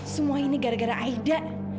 semua ini gara gara aida